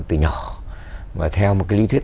từ nhỏ và theo một cái lý thuyết